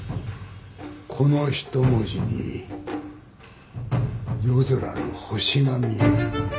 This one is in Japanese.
この一文字に夜空の星が見える。